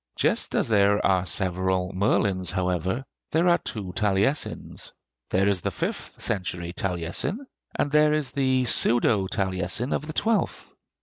Just as there are several Merlins, however, there are two Taliesins: there is the fifth century Taliesin, and there is the pseudo Taliesin of the twelfth.